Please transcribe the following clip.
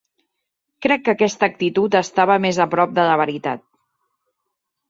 Crec que aquesta actitud estava més a prop de la veritat